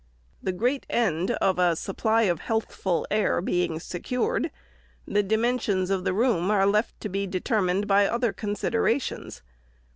The great end of a supply of heathful air being secured, the dimensions of the room are left to be determined by other considerations.